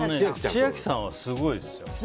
千秋さんはすごいですよ。